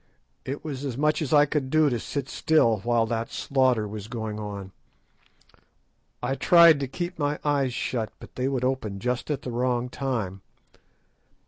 It was as much as I could do to sit still while that slaughter was going on. I tried to keep my eyes shut, but they would open just at the wrong time.